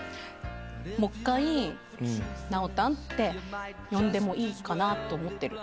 もっかい、なおたんって呼んでもいいかなと思ってる？